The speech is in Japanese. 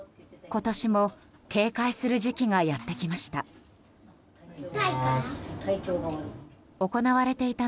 今年も警戒する時期がやってきました。